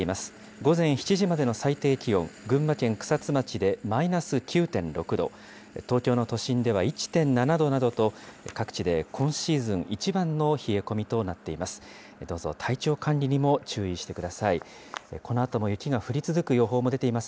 午前７時までの最低気温、群馬県草津町でマイナス９．６度、東京の都心では１．７度などと、各地で今シーズン一番の冷え込みとなっています。